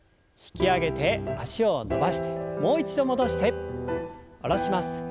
引き上げて脚を伸ばしてもう一度戻して下ろします。